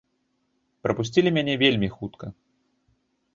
Прапусцілі мяне вельмі хутка.